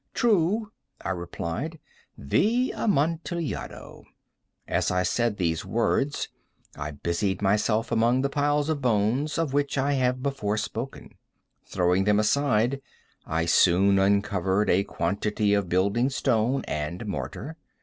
"True," I replied; "the Amontillado." As I said these words I busied myself among the pile of bones of which I have before spoken. Throwing them aside, I soon uncovered a quantity of building stone and mortar.